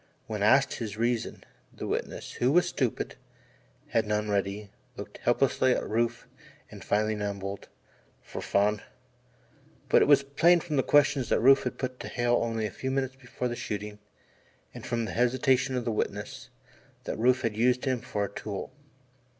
When asked his reason, the witness, who was stupid, had none ready, looked helplessly at Rufe and finally mumbled "fer fun." But it was plain from the questions that Rufe had put to Hale only a few minutes before the shooting, and from the hesitation of the witness, that Rufe had used him for a tool.